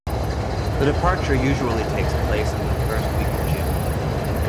The departure usually takes place in the first week of June.